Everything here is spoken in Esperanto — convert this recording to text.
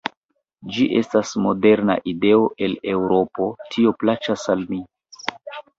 Ĝi estas moderna ideo el Eŭropo; tio plaĉas al mi.